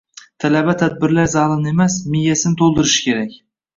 Talaba tadbirlar zalini emas, miyasini to‘ldirishi kerak”